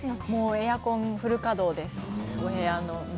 エアコンフル稼働です。